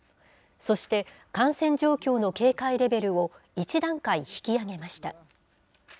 そして感染状況の警戒レベルを１段階引き上げました。